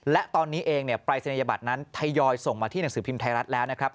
และตอนนี้เองปรายศนียบัตรนั้นทยอยส่งมาที่หนังสือพิมพ์ไทยรัฐแล้วนะครับ